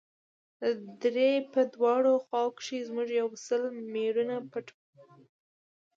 د درې په دواړو خواوو کښې زموږ يو سل مېړونه پټ وو.